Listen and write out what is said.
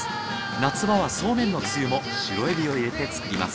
夏場はそうめんのつゆもシロエビを入れて作ります。